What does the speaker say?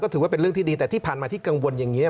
ถือว่าเป็นเรื่องที่ดีแต่ที่ผ่านมาที่กังวลอย่างนี้